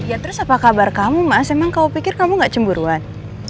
ya terus apa kabar kamu mas emang kamu pikir kamu gak cemburuan